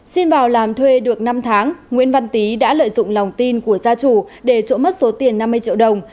xin vào làm thuê được năm tháng nguyễn văn tý đã lợi dụng lòng tin của gia chủ để trộm mất số tiền năm mươi triệu đồng